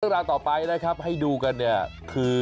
โลกราคต่อไปนะครับให้ดูกันคือ